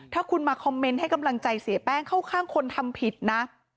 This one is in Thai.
ถ้าคุณมาคอมเมนต์ให้กำลังใจเสียแป้งเข้าข้างคนทำผิดนะ